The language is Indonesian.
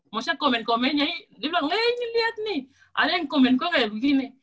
maksudnya komen komennya dia bilang eh ini liat nih ada yang komen gue kayak begini